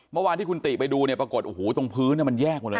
เมื่อวานที่คุณกิติศักดิ์ไปดูปรากฏตรงพื้นมันแยกหมดเลยนะ